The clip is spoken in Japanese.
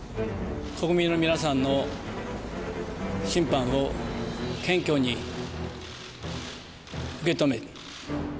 国民の皆さんの審判を謙虚に受け止め。